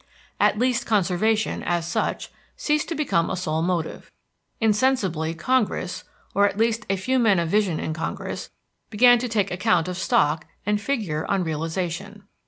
At least, conservation, as such, ceased to become a sole motive. Insensibly Congress, or at least a few men of vision in Congress, began to take account of stock and figure on realization.